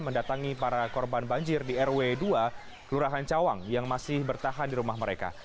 mendatangi para korban banjir di rw dua kelurahan cawang yang masih bertahan di rumah mereka